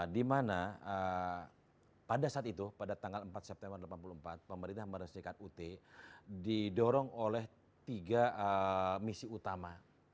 dimana pada saat itu pada tanggal empat september seribu sembilan ratus delapan puluh empat pemerintah meresmikan ut didorong oleh tiga misi utama